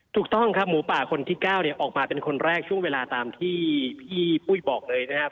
ถูกต้องครับหมูป่าคนที่๙เนี่ยออกมาเป็นคนแรกช่วงเวลาตามที่พี่ปุ้ยบอกเลยนะครับ